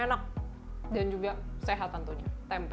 enak dan juga sehat tentunya tempe